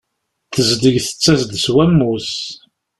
Tezdeg tettas-d s wammus.